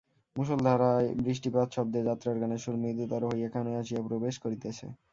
মুষলধারায় বৃষ্টিপাতশব্দে যাত্রার গানের সুর মৃদুতর হইয়া কানে আসিয়া প্রবেশ করিতেছে।